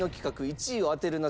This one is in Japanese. １位を当てるな！